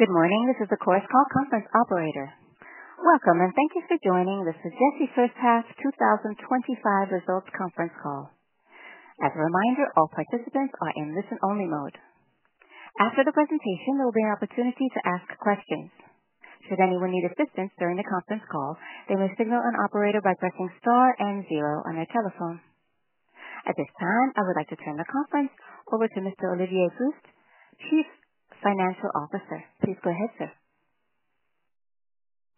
Good morning. This is the conference call operator. Welcome and thank you for joining the Sogefi First Half 2025 Results Conference Call. As a reminder, all participants are in listen-only mode. After the presentation, there will be an opportunity to ask questions. Should anyone need assistance during the conference call, they may signal an operator by pressing star and zero on their telephone. At this time, I would like to turn the conference over to Mr. Olivier Proust, Chief Financial Officer. Please go ahead, sir.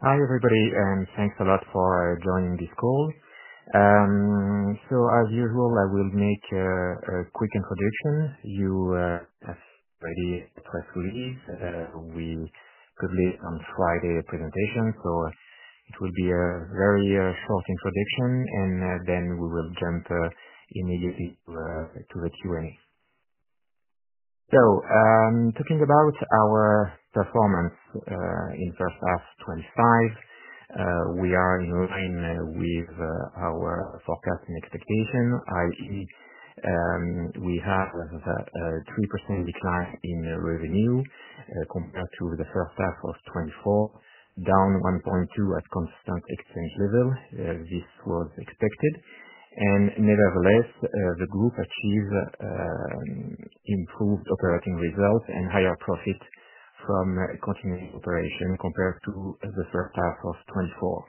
Hi, everybody, and thanks a lot for joining this call. As usual, I will make a quick introduction. You have already expressed the need that we could meet on Friday for the presentation, so it will be a very short introduction, and then we will jump immediately to the Q&A. Talking about our performance, in the first half of 2025, we are in line with our forecasting expectation, i.e., we have a 3% decline in revenue, compared to the first half of 2024, down 1.2% at constant exchange level. This was expected. Nevertheless, the group achieved improved operating results and higher profit from continuing operation compared to the first half of 2024.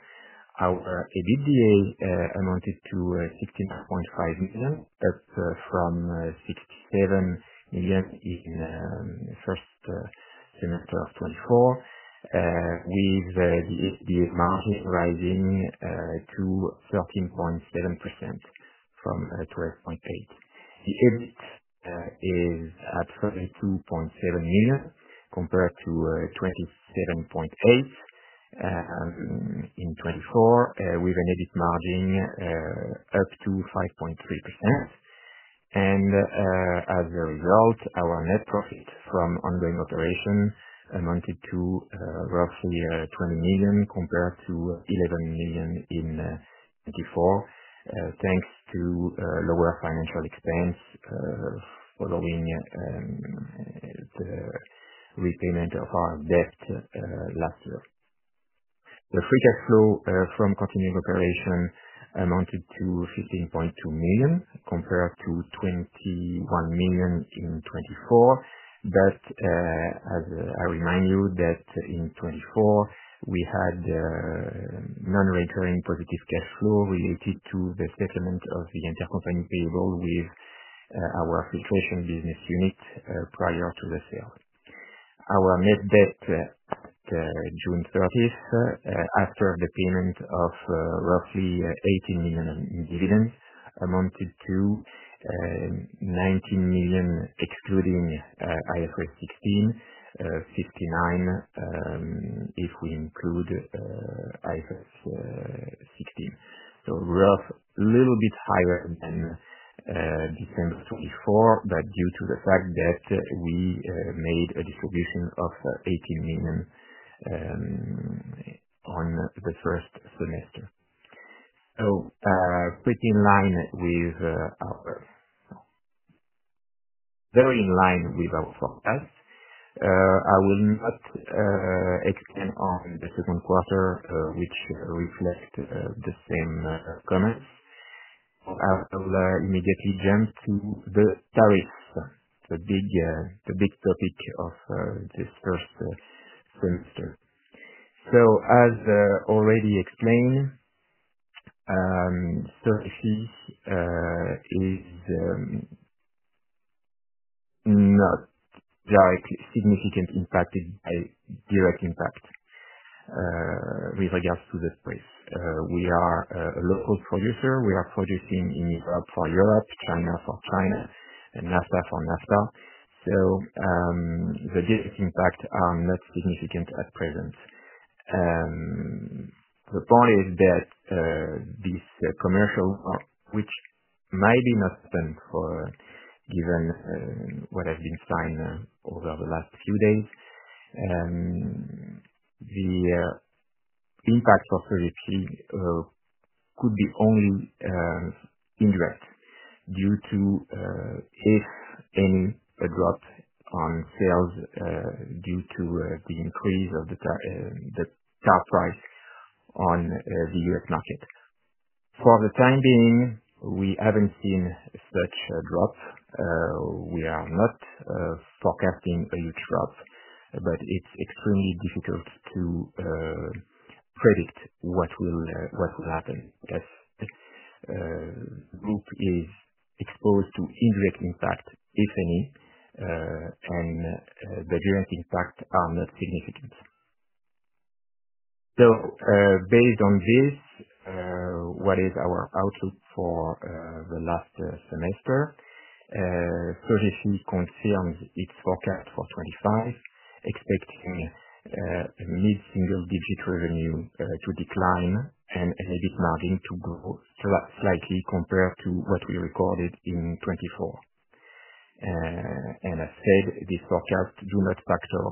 Our EBITDA amounted to 16.5 million. That's from 67 million in the first quarter of 2024, with the margin rising to 13.7% from 12.8%. The EBIT is at 22.7 million compared to 27.8 million in 2024, with an EBIT margin up to 5.3%. As a result, our net profit from ongoing operation amounted to roughly 20 million compared to 11 million in 2024, thanks to lower financial expense, following the repayment of our debt last year. The free cash flow from continuing operation amounted to 15.2 million compared to 21 million in 2024. I remind you that in 2024, we had non-recurring positive cash flow related to the settlement of the intercompany payable with our Filtration Business unit prior to the sale. Our net debt at June 30, after the payment of roughly 18 million in dividends, amounted to 19 million, excluding IFRS 16, 59 million if we include IFRS 16. We are a little bit higher than December 2024, but due to the fact that we made a distribution of 18 million in the first semester. Pretty in line with, very in line with our forecast. I will not expand on the second quarter, which reflects the same comments. I'll immediately jump to the tariffs, the big topic of this first semester. As already explained, Sogefi is not directly significantly impacted by direct impact with regards to the spreads. We are a local producer. We are producing in Europe for Europe, China for China, and NAFTA for NAFTA. The direct impacts are not significant at present. The point is that this commercial, which might be much spent for, even what has been spent over the last few days, the impact for Sogefi could be only indirect due to, if any, a drop on sales due to the increase of the car price on the U.S. market. For the time being, we haven't seen such a drop. We are not forecasting a huge drop, but it's extremely difficult to predict what will happen. This group is exposed to indirect impact, if any, but direct impacts are not significant. Based on this, what is our outlook for the last semester? Sogefi confirms its forecast for 2025, expecting a mid-single-digit revenue to decline and an EBIT margin to grow slightly compared to what we recorded in 2024. As stated, these forecasts do not factor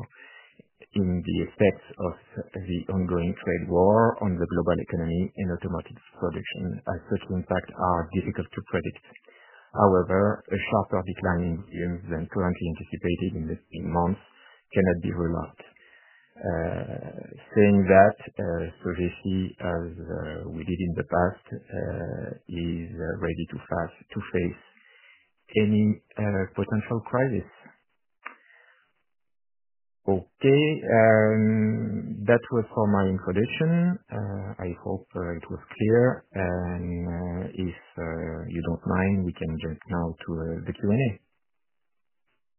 in the effects of the ongoing trade war on the global economy and automotive production, as such impacts are difficult to predict. However, a sharper decline in sales than currently anticipated in the same month cannot be ruled out. Sogefi, as we did in the past, is ready to face any potential crisis. Okay, that was for my introduction. I hope it was clear. If you don't mind, we can jump now to the Q&A.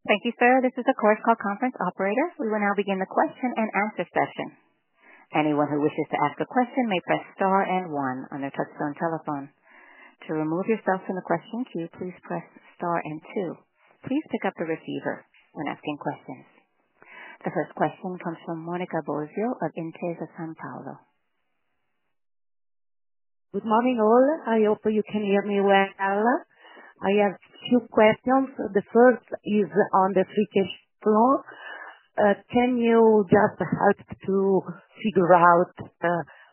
Thank you, sir. This is the conference call operator. We will now begin the question and answer session. Anyone who wishes to ask a question may press star and one on their touch-tone telephone. To remove yourself from the question queue, please press star and two. Please pick up a receiver when asking questions. The first question comes from Monica Bosio of Intesa Sanpaolo. Good morning, all. I hope you can hear me well. I have two questions. The first is on the free cash flow. Can you just help to figure out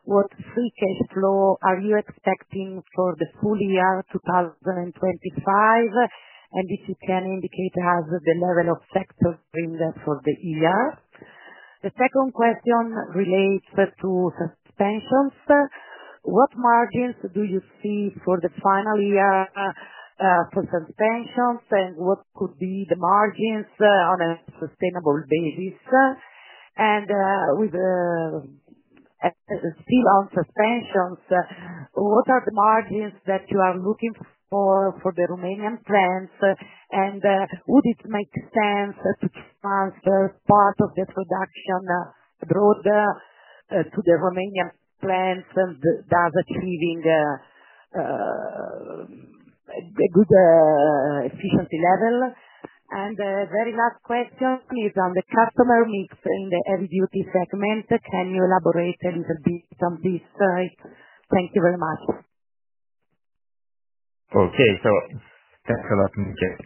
what free cash flow are you expecting for the full year 2025? If you can indicate us the level of sector streams for the year. The second question relates to Suspension. What margins do you see for the final year for Suspension? What could be the margins on a sustainable basis? Still on Suspension, what are the margins that you are looking for for the Romanian plants? Would it make sense to transfer part of this reduction brought to the Romanian plants and thus achieving a good efficiency level? The very last question is on the customer mix in the Heavy Duty segment. Can you elaborate a little bit on this? Thank you very much. Okay. Thanks a lot, Monica.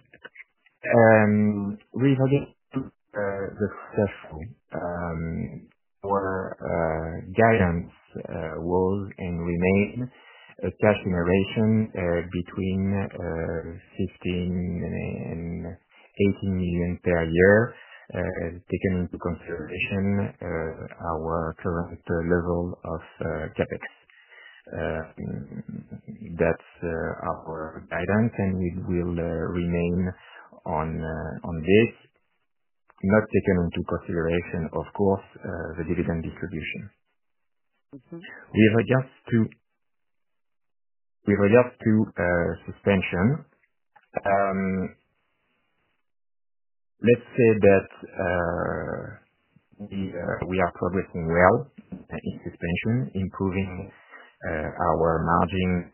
Regarding the question, our guidance was and remains a perseveration between 15 million and 18 million per year, as taken into consideration our current level of capital. That's our guidance, and we will remain on this, not taking into consideration, of course, the dividend distribution. With regards to Suspension, let's say that we are progressing well in Suspension, improving our margin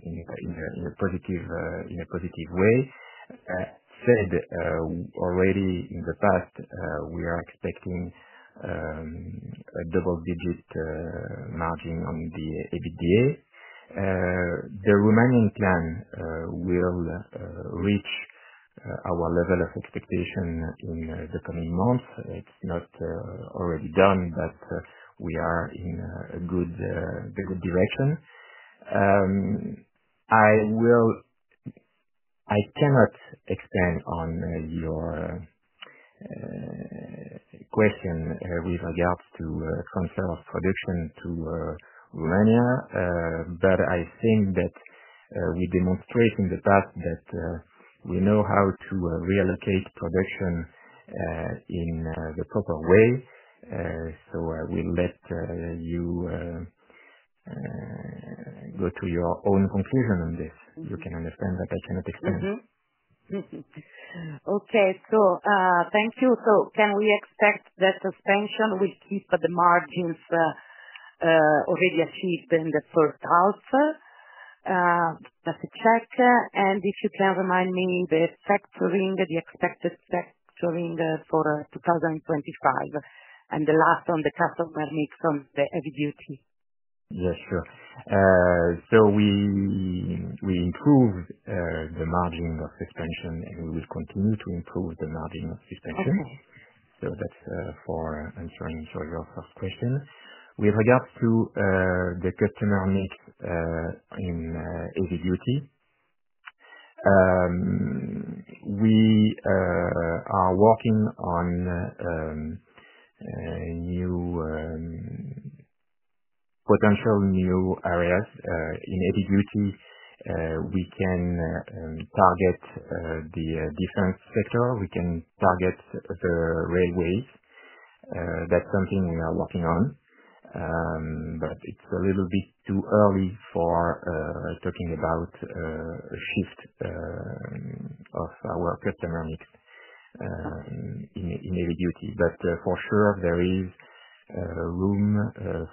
in a positive way. As said already in the past, we are expecting a double-digit margin on the EBITDA. The Romanian plant will reach our level of expectation in the coming months. It's not already done, but we are in a good direction. I cannot expand on your question with regards to transfer of production to Romania, but I think that we demonstrated in the past that we know how to reallocate production in the proper way. You can understand that I cannot expand. Thank you. Can we expect that Suspension will keep the margins already achieved in the first half? That's a factor. If you can remind me the factoring, the expected factoring for 2025, and the last one, the customer mix on the Heavy Duty. Yeah, sure. We improve the margin of Suspension, and we will continue to improve the margin of Suspension. That's for answering your question. With regards to the customer mix in the Heavy Duty segment, we are working on new potential areas in Heavy Duty. We can target the defense sector. We can target the railways. That's something we are working on. It's a little bit too early for talking about a shift of our customer mix in Heavy Duty. For sure, there is room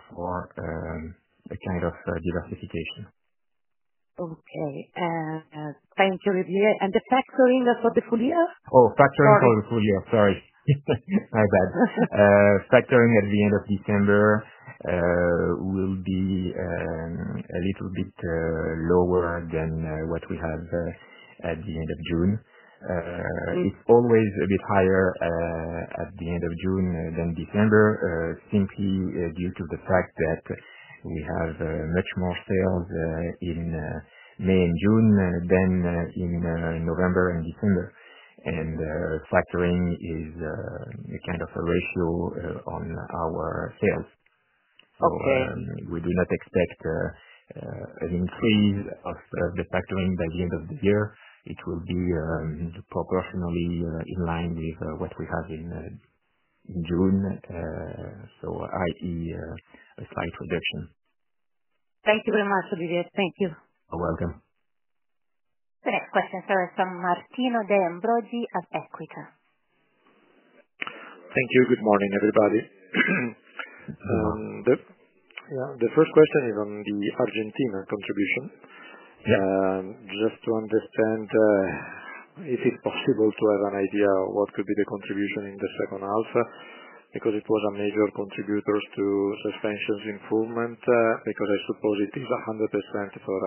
for a kind of diversification. Okay. Thank you, Olivier. The factoring for the full year? Oh, factoring for the full year. Sorry. My bad. Factoring at the end of December will be a little bit lower than what we have at the end of June. It's always a bit higher at the end of June than December, simply due to the fact that we have much more sales in May and June than in November and December. Factoring is a kind of a ratio on our sales. Okay. We do not expect an increase of the factoring by the end of the year. It will be proportionally in line with what we have in June, so i.e., a slight reduction. Thank you very much, Olivier. Thank you. You're welcome. The next question is from Martino de Ambroggi at Equita. Thank you. Good morning, everybody. The first question is on the Argentina contribution. Just to understand, is it possible to have an idea of what could be the contribution in the second half? Because it was a major contributor to the Suspension improvement, because I suppose it is 100% for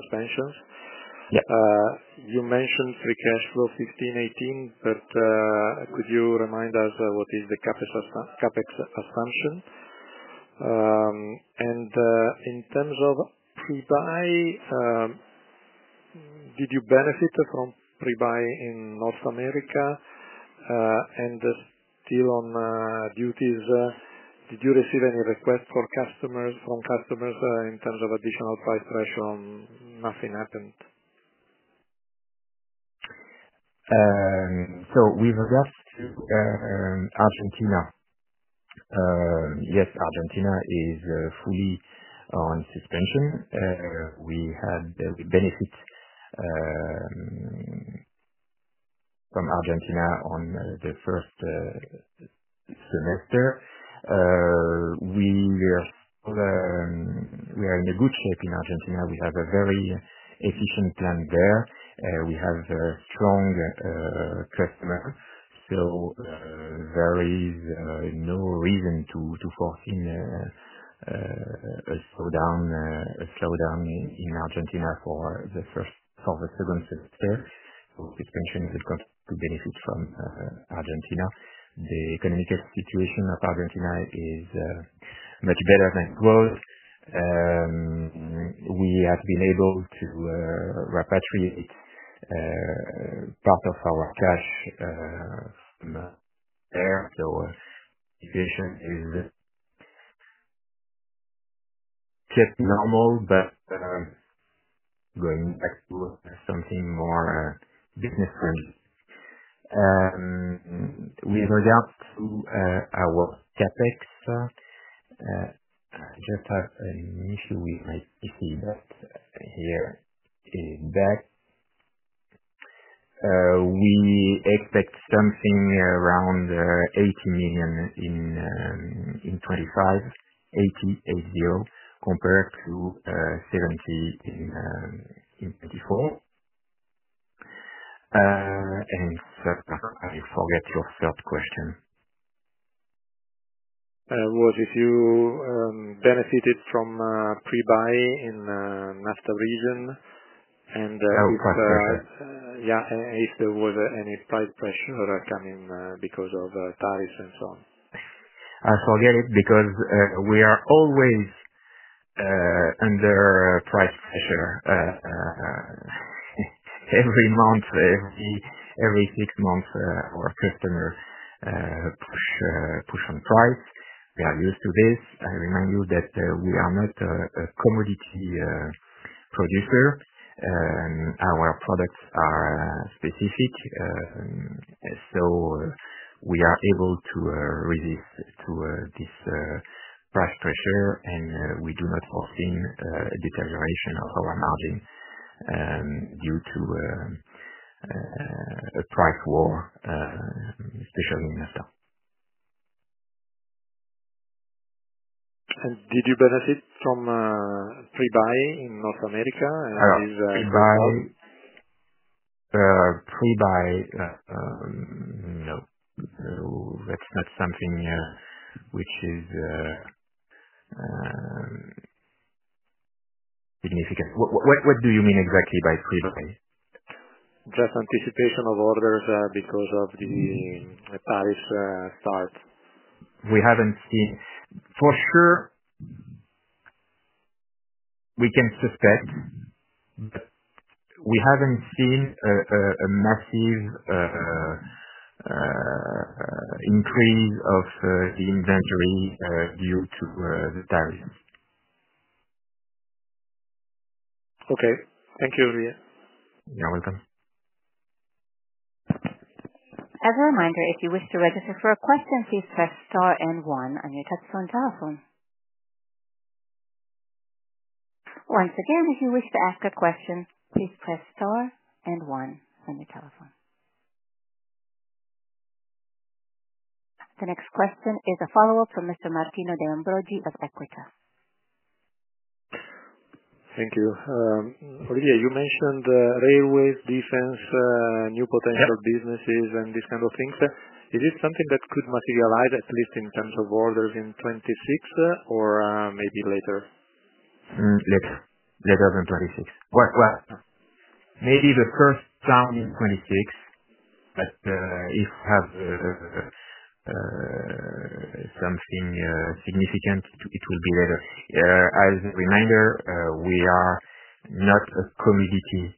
suspensions. You mentioned free cash flow 15 million, EUR 18 million. Could you remind us what is the CapEx assumption? In terms of pre-buy, did you benefit from pre-buy in North America? Still on duties, did you receive any requests from customers in terms of additional price pressure? Nothing happened? With regards to Argentina, yes, Argentina is fully on Suspension. We have the benefit from Argentina in the first semester. We are in a good shape in Argentina. We have a very efficient plant there. We have a strong customer. There is no reason to foresee a slowdown in Argentina for the second semester. Suspension has got to benefit from Argentina. The economic situation of Argentina is much better than growth. We have been able to repatriate part of our cash from there. The situation is just normal, but going towards something more business-friendly. With regards to our CapEx, I just have an issue with my speaking notes here. We expect something around 80 million in 2025, 80 million, compared to 70 million in 2024. I forgot your third question. Was it you benefited from pre-buy in NAFTA region, and if there was any price pressure that had come in because of tariffs and so on? I forget it because we are always under price pressure. Every month, every six months, our customer push, push on price. We are used to this. I remind you that we are not a commodity producer. Our products are specific, so we are able to relieve to this price pressure, and we do not foresee a deterioration of our margin due to a price war, especially in NAFTA. Did you benefit from pre-buy in North America? Pre-buy? No, that's not something which is significant. What do you mean exactly by pre-buy? Just anticipation of orders because of the tariff start. We haven't seen for sure. We can suspect, but we haven't seen a massive increase of the inventory due to the tariffs. Okay. Thank you, Olivier. You're welcome. As a reminder, if you wish to register for a question, please press star and one on your touch-tone telephone. Once again, if you wish to ask a question, please press star and one on your telephone. The next question is a follow-up from Mr. Martino de Ambroggi of Equita. Thank you. Olivier, you mentioned the railways, defense, new potential businesses, and this kind of thing. Is this something that could materialize, at least in terms of orders in 2026 or maybe later? Later than 2026. Maybe the first round in 2026. If you have something significant, it will be later. As a reminder, we are not a commodity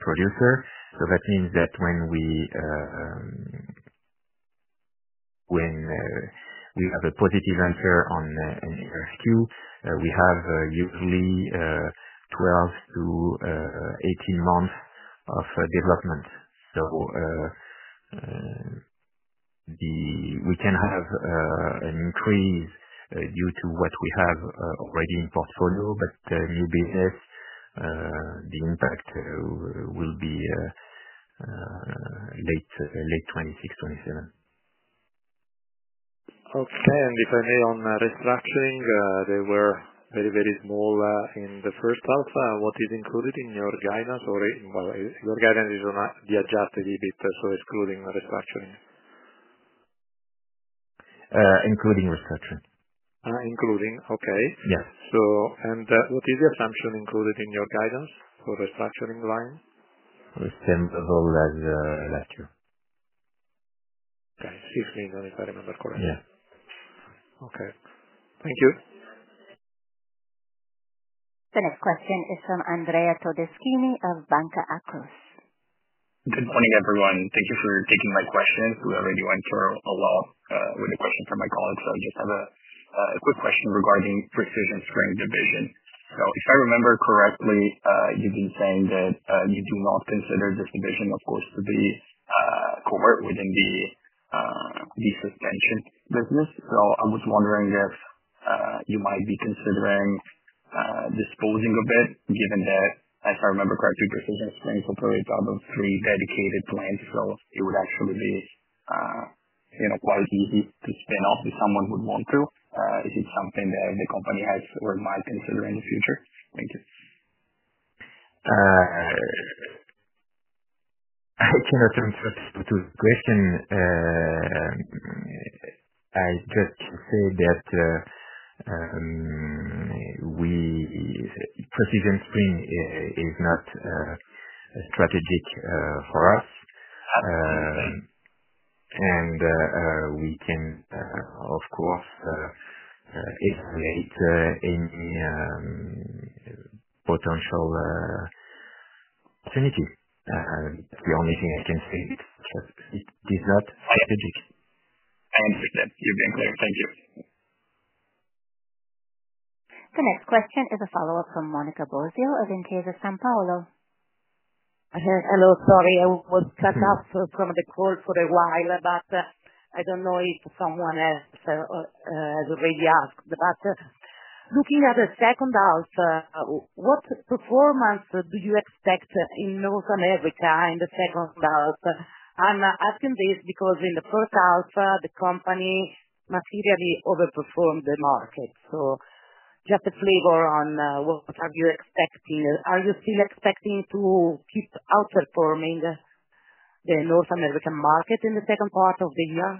producer. That means that when we have a positive answer in Q, we usually have 12 to 18 months of development. We can have an increase due to what we already have in portfolio, but the new business impact will be late 2026 or 2027. Okay. Depending on restructuring, they were very, very small in the first half. What is included in your guidance? Your guidance is on the adjusted EBITDA, so including the restructuring. Including restructuring. Including. Okay. Yes. What is the assumption included in your guidance for the restructuring line? We'll send the whole as well, that too. Yes, if I remember correctly. Yeah. Okay. Thank you. The next question is from Andrea Todeschini of Banca Akros. Good morning, everyone. Thank you for taking my questions. We're already going through a lot. We're talking from my colleagues. I just have a quick question regarding Precision Springs Division. If I remember correctly, you didn't say that you do not consider virtualization, of course, to be covered within the Suspension business. I was wondering if you might be considering disclosing a bit because, if I remember correctly, this is going to incorporate probably three dedicated clients. It would actually be quite easy to spin off if someone would want to. Is it something that the company has or might consider in the future? Thank you. I cannot answer to the question. I just said that Precision Springs is not strategic for us. We can, of course, estimate any potential opportunity. It's the only thing I can say. It's not strategic. All right. Yes, you've been clear. Thank you. The next question is a follow-up from Monica Bosio of Intesa Sanpaolo. Okay. Hello. Sorry. I was cut off from the call for a while, but I don't know if someone else has already asked. Looking at the second half, what performance did you expect in North America in the second half? I'm asking this because in the first half, the company materially overperformed the market. Just a flavor on what are you expecting. Are you still expecting to keep outperforming the North American market in the second part of the year?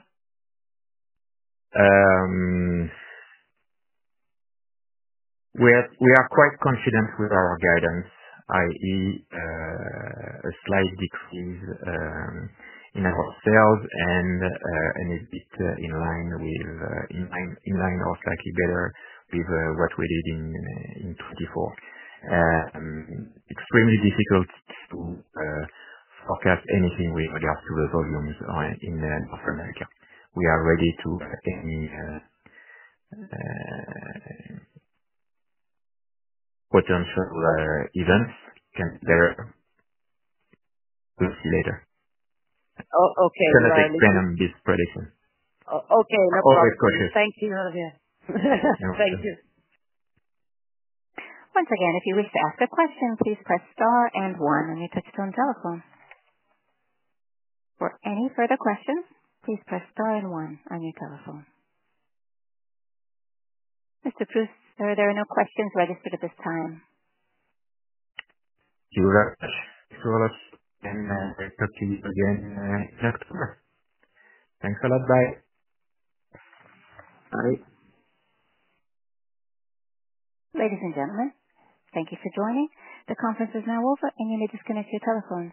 We are quite confident with our guidance, i.e., a slight decrease in our sales and a bit in line with, in line or slightly better with what we did in 2024. It is extremely difficult to forecast anything with regards to the volumes in North America. We are ready to have any potential events come later. Oh, okay. Let's expand on this prediction. Oh, okay. No problem. Always cautious. Thank you, Olivier. You're welcome. Thank you. Once again, if you wish to ask a question, please press star and one on your touch-tone telephone. For any further questions, please press star and one on your telephone. Mr. Proust, there are no questions registered at this time. You're allowed. I'll talk to you again at the next call. Thanks a lot. Bye. Bye. Ladies and gentlemen, thank you for joining. The conference is now over, and you may disconnect your telephone.